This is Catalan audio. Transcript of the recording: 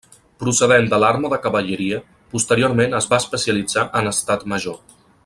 Procedent de l'Arma de Cavalleria, posteriorment es va especialitzar en Estat Major.